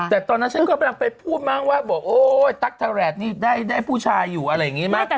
แต่ตอนนั้นฉันกำลังไปพูดมั้งว่าบอกโอ๊ยตั๊กทาแรดนี่ได้ผู้ชายอยู่อะไรอย่างนี้ไหม